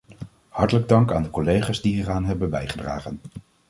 Hartelijk dank aan de collega's die hieraan hebben bijgedragen.